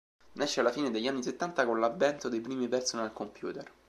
Nasce alla fine degli anni settanta con l'avvento dei primi personal computer.